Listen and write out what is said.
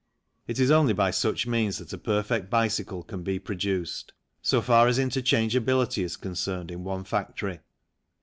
It is only by such means that a perfect bicycle can be IN THE FACTORY 95 produced, so far as interchangeability is concerned in one factory.